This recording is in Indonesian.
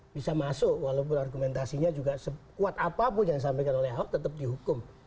bisa masuk walaupun argumentasinya juga sekuat apapun yang disampaikan oleh ahok tetap dihukum